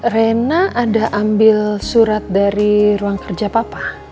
rena ada ambil surat dari ruang kerja papa